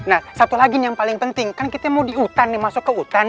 kafe paham paham nafas satu lagi yang paling penting kan kita mau dihutang masuk ke hutan